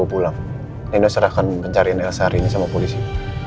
pulang ini serahkan mencari nel sari ini sama polisi